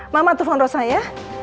mama telepon rosa ya